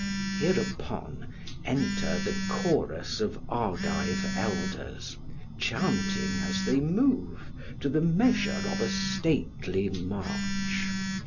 Hereupon enter the chorus of Argive elders, chanting as they move to the measure of a stately march.